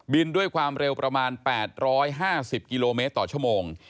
ด้วยความเร็วประมาณ๘๕๐กิโลเมตรต่อชั่วโมง